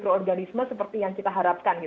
proorganisme seperti yang kita harapkan